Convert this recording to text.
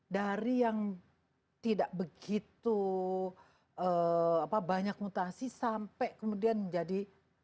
dari yang tidak begitu banyak mutasi sampai kemudian menjadi